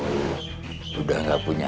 kalau udah gak punya hp